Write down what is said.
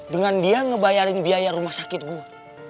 dengan dia ngebayarin biaya rumah sakit gue